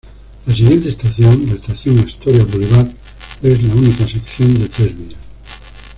La siguiente estación, la estación Astoria Boulevard, es la única sección de tres vías.